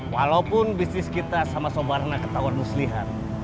walaupun bisnis kita sama sobarnak ketahuan muslihan